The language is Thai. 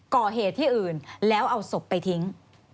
ก่อเหตุที่อื่นแล้วเอาศพไปทิ้ง